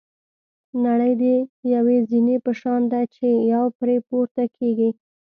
نړۍ د یوې زینې په شان ده چې یو پرې پورته کېږي.